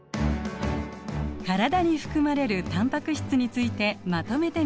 体に含まれるタンパク質についてまとめてみましょう。